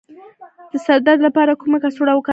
د سر د درد لپاره کومه کڅوړه وکاروم؟